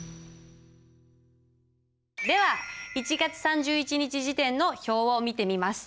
では１月３１日時点の表を見てみます。